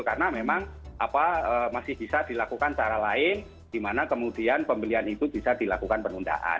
karena memang masih bisa dilakukan cara lain di mana kemudian pembelian itu bisa dilakukan penundaan